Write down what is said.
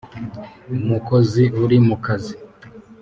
umukozi uri mu kazi